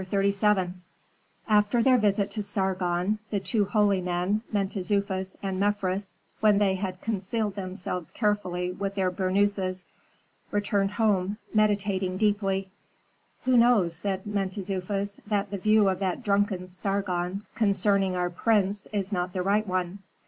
CHAPTER XXXVII After their visit to Sargon the two holy men, Mentezufis and Mefres, when they had concealed themselves carefully with their burnouses, returned home, meditating deeply. "Who knows," said Mentezufis, "that the view of that drunken Sargon concerning our prince is not the right one?"